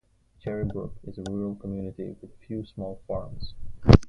Cherrybrook is a rural community with a few small farms.